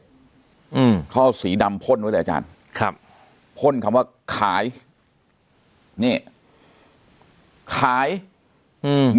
อืมเขาเอาสีดำพ่นไว้เลยอาจารย์ครับพ่นคำว่าขายนี่ขายอืม